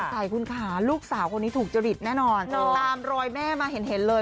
ใส่คุณค่ะลูกสาวคนนี้ถูกจริตแน่นอนตามรอยแม่มาเห็นเลย